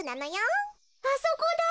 あそこだ！